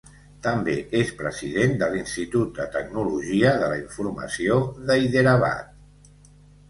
També és president de l'Institut de Tecnologia de la Informació de Hyderabad.